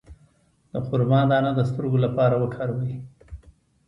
د خرما دانه د سترګو لپاره وکاروئ